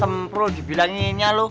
semporul dibilanginya lu